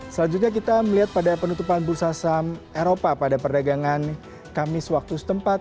selanjutnya kita melihat pada penutupan bursa saham eropa pada perdagangan kamis waktu setempat